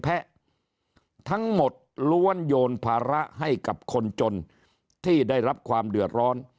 แพะทั้งหมดล้วนโยนภาระให้กับคนจนที่ได้รับความเดือดร้อน